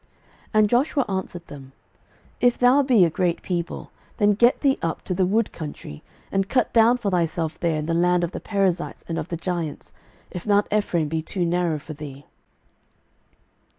06:017:015 And Joshua answered them, If thou be a great people, then get thee up to the wood country, and cut down for thyself there in the land of the Perizzites and of the giants, if mount Ephraim be too narrow for thee.